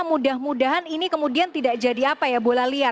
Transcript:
mudah mudahan ini kemudian tidak jadi apa ya bola liar